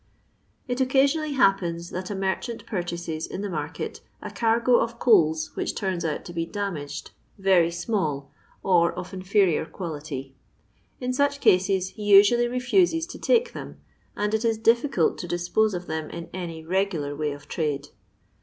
It occasionally happens that a merchant pur chases in the market a cargo of coals which turns out to be damaged, very small, or of in ferior quality. In such cases he usually refuses to take them, and it is difficult to dispose of them in any regular way of trade.